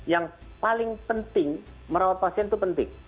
yang paling penting merawat pasien itu penting